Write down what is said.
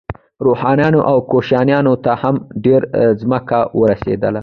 روحانیونو او کشیشانو ته هم ډیره ځمکه ورسیدله.